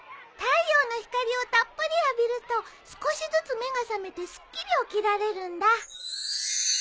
太陽の光をたっぷり浴びると少しずつ目が覚めてすっきり起きられるんだ。